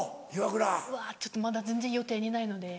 うわちょっとまだ全然予定にないので。